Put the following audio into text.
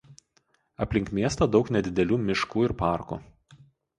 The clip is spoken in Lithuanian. Aplink miestą daug nedidelių miškų ir parkų.